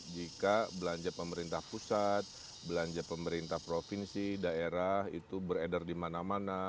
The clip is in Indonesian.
jika belanja pemerintah pusat belanja pemerintah provinsi daerah itu beredar di mana mana